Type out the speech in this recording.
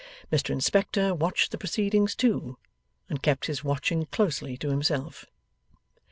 Mr Inspector watched the proceedings too, and kept his watching closely to himself.